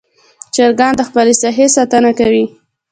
چرګان د خپل ساحې ساتنه کوي.